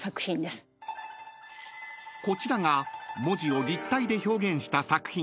［こちらが文字を立体で表現した作品］